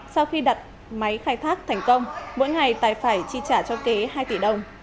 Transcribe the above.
sau khi đặt máy khai thác thành công mỗi ngày tài phải chi trả cho kế hai tỷ đồng